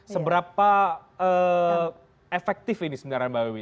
seberapa efektif ini sebenarnya mbak wiwi